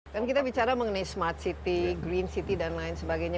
dan kita bicara mengenai smart city green city dan lain sebagainya